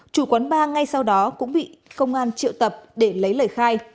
chủ quán ba ngay sau đó cũng bị công an triệu tập để lấy lời khai